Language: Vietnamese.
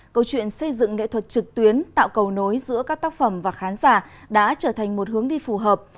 câu chuyện xây dựng nghệ thuật trực tuyến tạo cầu nối giữa các tác phẩm và khán giả đã trở thành một hướng đi phù hợp